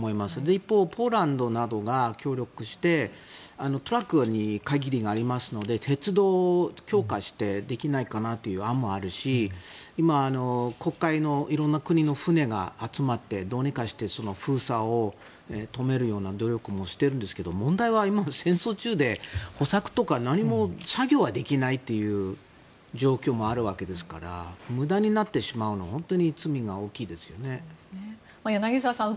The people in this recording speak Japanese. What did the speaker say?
一方ポーランドなどが協力してトラックに限りがありますので鉄道を強化してできないかなという案もあるし今、黒海のいろんな国の船が集まってどうにかして封鎖を止めるような努力もしてるんですけど問題は戦争中で何も作業ができないという状況もあるわけですから無駄になってしまうのは柳澤さん